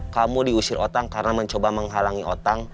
kamu diusir otang karena mencoba menghalangi otang